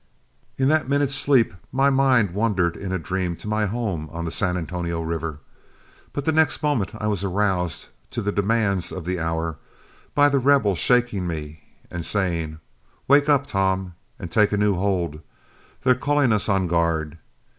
In that minute's sleep my mind wandered in a dream to my home on the San Antonio River, but the next moment I was aroused to the demands of the hour by The Rebel shaking me and saying, "Wake up, Tom, and take a new hold. They're calling us on guard.